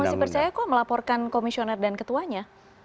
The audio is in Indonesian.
masih percaya kok melaporkan komisioner dan ketuanya